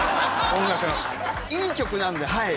いい曲なんではい。